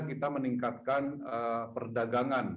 kita meningkatkan perdagangan